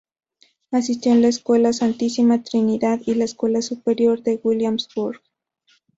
Asistió a la Escuela Santísima Trinidad y la Escuela Superior de Williamsburg.